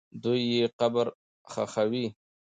دوی یې قبر ښخوي.